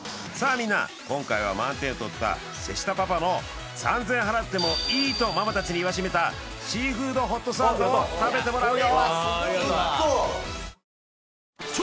みんな今回は満点を取った瀬下パパの「３０００円払ってもいい」とママ達に言わしめたシーフードホットサンドを食べてもらうよ！